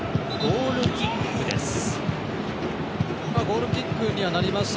ゴールキックです。